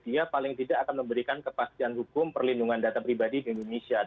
dia paling tidak akan memberikan kepastian hukum perlindungan data pribadi di indonesia